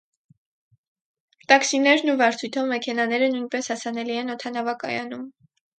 Տաքսիներն ու վարձույթով մեքենաները նույնպես հասանելի են օդանավակայանում։